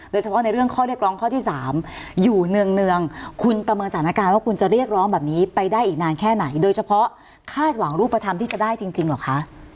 โดยเฉพาะในเรื่องข้อเรียกร้องข้อที่๓อยู่เนืองคุณประเมินสถานการณ์ว่าคุณจะเรียกร้องแบบนี้ไปได้อีกนานแค่ไหนโดยเฉพาะคาดหวังรูปธรรมที่จะได้จริงเหรอคะ